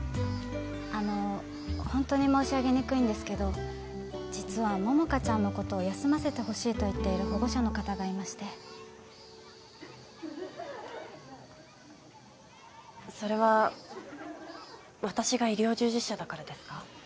あのホントに申し上げにくいんですけど実は桃花ちゃんのことを休ませてほしいと言っている保護者の方がいましてそれは私が医療従事者だからですか？